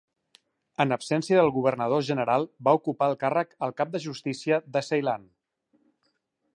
En absència del governador general, va ocupar el càrrec el cap de justícia de Ceilan.